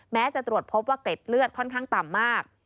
แม้จะตรวจพบว่าเกร็ดเลือดค่อนข้างต่ำมาก